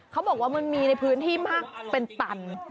เขาบอกว่ามันมีในพื้นที่มากเป็นตัน